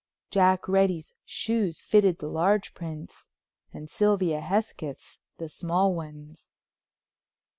Jack Reddy's shoes fitted the large prints and Sylvia Hesketh's the small ones!